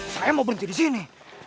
saya mau berhenti di sini